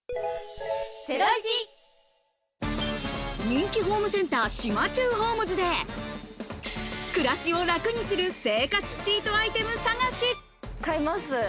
人気ホームセンター、島忠ホームズで暮らしを楽にする生活チートアイテム探し。